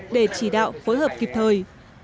để chỉ đạo phối hợp kịp thời